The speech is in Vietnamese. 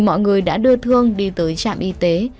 mọi người đã đưa thương đi tới trạm y tế